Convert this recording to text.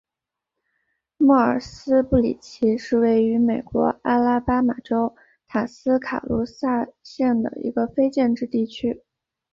摩尔斯布里奇是位于美国阿拉巴马州塔斯卡卢萨县的一个非建制地区。